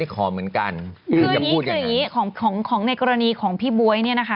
อะไรของในกรณีของพี่บ๊วยเนี่ยนะคะ